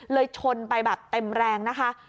ชนไปแบบเต็มแรงนะคะ